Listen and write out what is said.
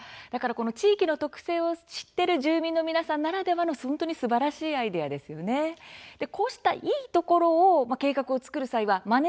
地域の特性を知っている住民の皆さんならではの本当にすばらしいアイデアですよね。